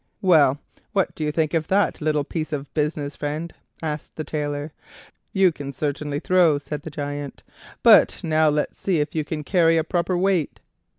"Well, what do you think of that little piece of business, friend?" asked the Tailor. "You can certainly throw," said the Giant; "but now let's see if you can carry a proper weight."